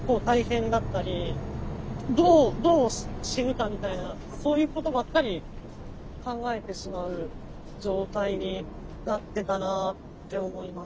どう死ぬかみたいなそういうことばっかり考えてしまう状態になってたなって思います。